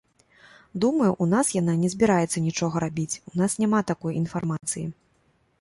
Думаю, у нас яна не збіраецца нічога рабіць, у нас няма такой інфармацыі.